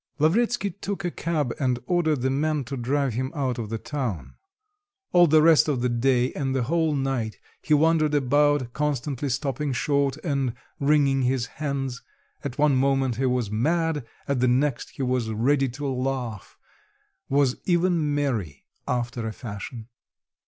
Lavretsky took a cab and ordered the man to drive him out of town. All the rest of the day and the whole night he wandered about, constantly stopping short and wringing his hands, at one moment he was mad, and the next he was ready to laugh, was even merry after a fashion.